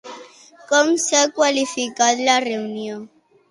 Com s'ha qualificat la reunió?